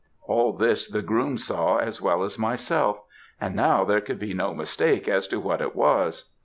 All this the groom saw as well as myself; and now there could be no mistake as to what it was.